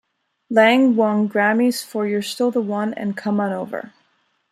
Lange won Grammys for "You're Still the One" and "Come On Over".